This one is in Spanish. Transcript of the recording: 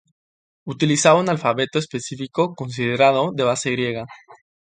Utilizaba un alfabeto específico considerado de base griega.